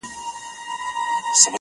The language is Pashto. توقع ورته زیاته ده